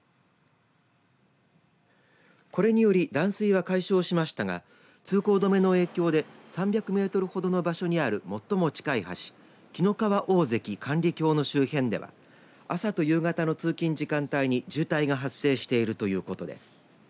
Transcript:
これにより断水は解消しましたが通行止めの影響で３００メートルほどの場所にある最も近い橋紀の川大堰管理橋の周辺では朝と夕方の通勤時間帯に、渋滞が発生しているということです。